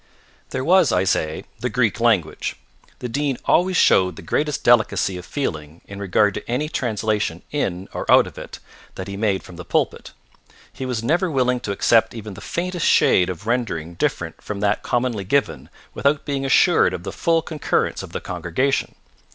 There was, I say, the Greek language. The Dean always showed the greatest delicacy of feeling in regard to any translation in or out of it that he made from the pulpit. He was never willing to accept even the faintest shade of rendering different from that commonly given without being assured of the full concurrence of the congregation.